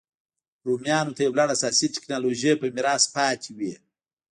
رومیانو ته یو لړ اساسي ټکنالوژۍ په میراث پاتې وې